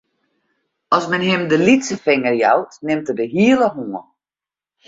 As men him de lytse finger jout, nimt er de hiele hân.